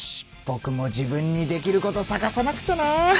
ぼくも自分にできることさがさなくちゃな。